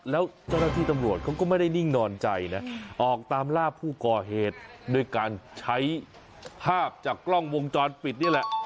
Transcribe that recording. แล้วเจ้าหน้าที่ตำรวจเขาก็ไม่ได้นิ่งนอนใจนะออกตามล่าผู้ก่อเหตุด้วยการใช้ภาพจากกล้องวงจรปิดนี่แหละ